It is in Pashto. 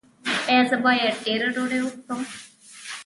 ایا زه باید ډیره ډوډۍ وخورم؟